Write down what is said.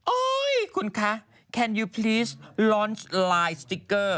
คุณคะแคนยูพีชลอนซ์ไลน์สติ๊กเกอร์